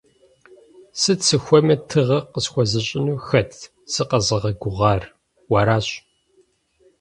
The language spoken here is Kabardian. Сыт сыхуейми тыгъэ къысхуэзыщӀыну хэтыт сыкъэзыгъэгугъар? Уэращ!